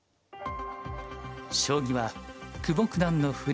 将棋は久保九段の振り